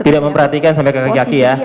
tidak memperhatikan sampai ke kaki ya